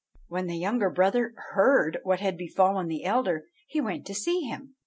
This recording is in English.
"When the younger brother heard what had befallen the elder, he went to see him.